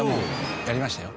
やりましたよ。